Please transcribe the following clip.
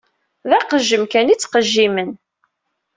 D aqejjem kan i ttqejjimen.